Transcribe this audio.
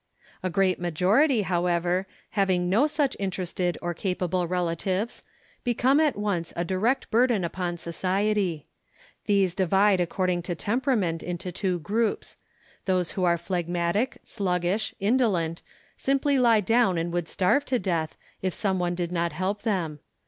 A great majority, however, having no such interested or capable relatives, become at once a direct burden upon society. These divide according to temperament into two groups. Those who are phlegmatic, sluggish, indolent, simply lie down and would starve to death, if some one did not help them.